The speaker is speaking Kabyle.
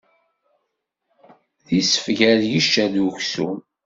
D isef gar yiccer d uksum.